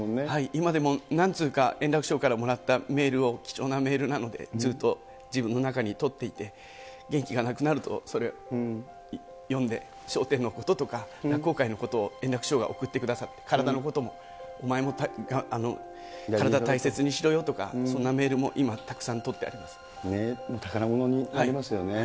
今でも何通か、円楽師匠からもらったメールを、貴重なメールなので、ずっと自分の中に取っていて、元気がなくなると、それを読んで、笑点のこととか、落語界のこと、送ってくださって、体のことも、お前も体大切にしろよとか、そんなメールも今、たくさん、宝物になりますよね。